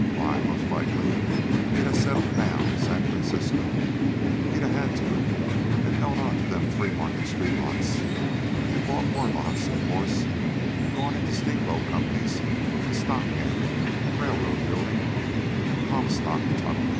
Why, most likely he'd a settled down in San Francisco he'd a had to an' held onto them three Market street lots, an' bought more lots, of course, an' gone into steamboat companies, an' stock gamblin', an' railroad buildin', an' Comstock tunnelin'.